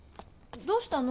どうしたの？